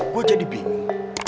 gue jadi bingung